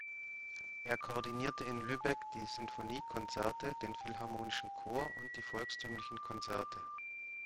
Er koordinierte in Lübeck die Sinfoniekonzerte, den Philharmonischen Chor und die volkstümlichen Konzerte.